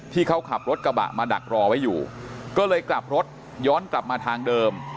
ที่เขาขับรถกระบะมาดักรอไว้อยู่ก็เลยกลับรถย้อนกลับมาทางเดิม